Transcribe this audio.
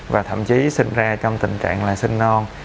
và thậm chí sinh ra trong tình trạng là sinh non